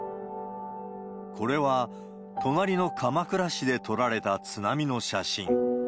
これは隣の鎌倉市で撮られた津波の写真。